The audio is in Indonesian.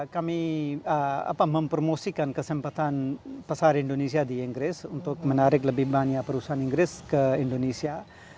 kami mempromosikan kesempatan pasar indonesia di inggris untuk menarik lebih banyak perusahaan inggris ke indonesia